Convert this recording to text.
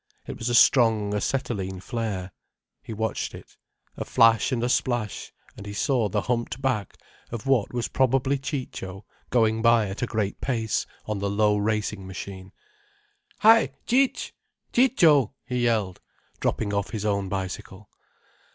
It was a strong acetylene flare. He watched it. A flash and a splash and he saw the humped back of what was probably Ciccio going by at a great pace on the low racing machine. "Hi Cic'—! Ciccio!" he yelled, dropping off his own bicycle.